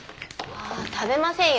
食べませんよ。